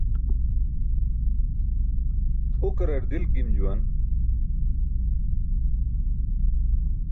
Hukarar dilk gim juwan.